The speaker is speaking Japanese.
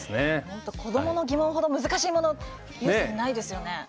本当、子どもの疑問ほど難しいことないですよね。